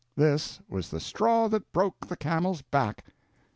This was "the straw that broke the camel's back."